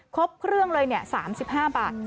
ครบเครื่องเลย๓๕บาท